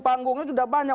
panggungnya sudah banyak